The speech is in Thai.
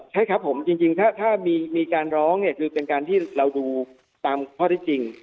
ใช่ครับผมจริงถ้ามีการร้องเนี่ยคือเป็นการที่เราดูตามข้อที่จริง